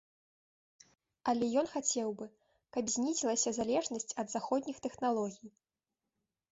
Але ён хацеў бы, каб знізілася залежнасць ад заходніх тэхналогій.